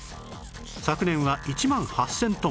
昨年は１万８０００トン